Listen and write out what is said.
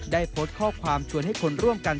ได้โพสต์ข้อความชวนให้คนร่วมกัน